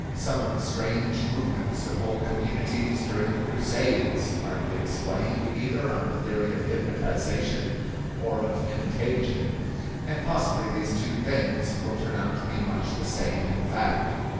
Some of the strange movements of whole communities during the Crusades are to be explained either on the theory of hypnotization or of contagion, and possibly these two things will turn out to be much the same in fact.